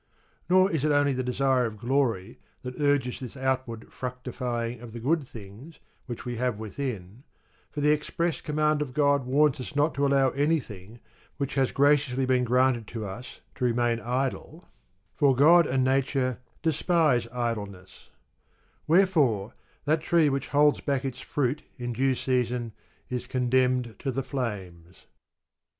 Nor is it only the desire of glory that urges this out ward fructifying of the good things which we have within, for the express command of God warns us not to allow anything which has graciously been granted to us to remain idle, for God and nature despise I idleness ; wherefore that tree which holds back its fruit in due season, is condemned to the flames.